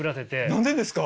何でですか？